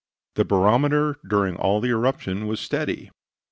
The barometer during all the eruption was steady.